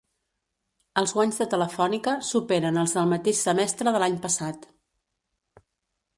Els guanys de Telefònica superen als del mateix semestre de l'any passat